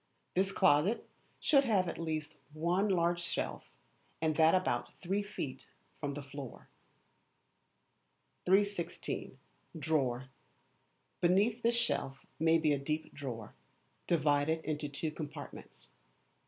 This closet should have at least one large shelf, and that about three feet from the floor. 316. Drawer. Beneath this shelf may be a deep drawer, divided into two compartments.